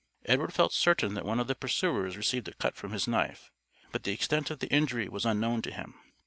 Edward felt certain that one of the pursuers received a cut from his knife, but the extent of the injury was unknown to him.